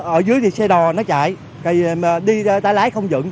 ở dưới thì xe đò nó chạy đi tay lái không dựng